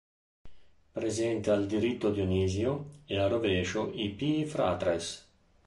Presenta al diritto Dioniso e al rovescio i "pii fratres".